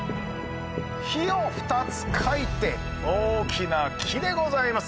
「火」を２つ書いて大きな木でございます。